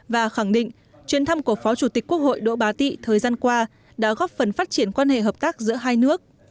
và khẳng định chuyên thăm của phó chủ tịch quốc hội đỗ bá tị thời gian qua đã góp phần phát triển quan hệ hợp tác giữa hai nước